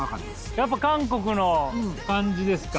やっぱ韓国の感じですか？